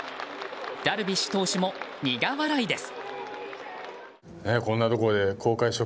ダルビッシュ投手も苦笑いです。